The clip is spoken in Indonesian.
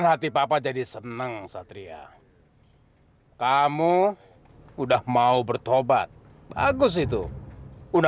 sampai jumpa di video selanjutnya